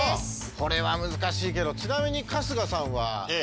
これは難しいけどちなみに春日さんは？